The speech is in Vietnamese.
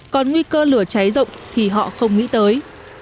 còn nguy cơ lửa cháy rộng thì họ không nghĩ tới